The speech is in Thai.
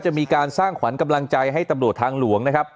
จะมีการสร้างขวัญกำลังใจให้ตำรวจทางหลวงนะครับ